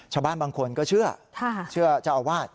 ชาวบ้านบางคนก็เชื่อเชื่อเจ้าอาวาส